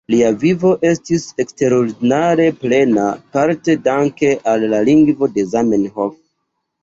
Lia vivo estis eksterordinare plena, parte danke al la lingvo de Zamenhof.